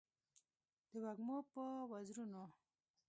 د وږمو په وزرونو